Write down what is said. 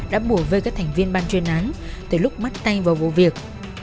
đã bùa vơi các thành viên ban chuyên án từ lúc mắt tay vào vụ việc